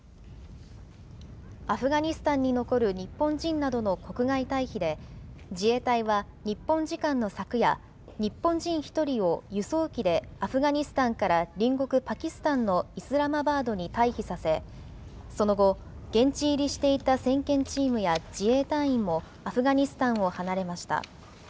アフガニスタンに残る日本人などの国外退避で、自衛隊は日本時間の昨夜、日本人１人を輸送機でアフガニスタンから隣国パキスタンのイスラマバードに退避させ、その後、現地入りしていた先遣チームや自衛隊員もアフガニスタンを離れました。